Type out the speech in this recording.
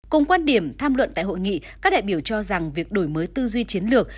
cùng quan điểm tham luận tại hội nghị các đại biểu cho rằng việc đổi mới tư duy chiến lược